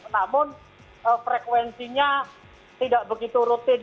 namun frekuensinya tidak begitu rutin